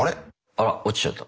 あらっ落ちちゃった。